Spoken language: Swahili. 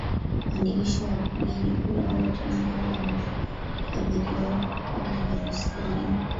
kuandikisha wapigaji kura wote ambao wanakadhiriwa kuwa milioni sabini